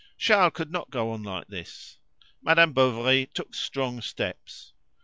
Charles could not go on like this. Madame Bovary took strong steps.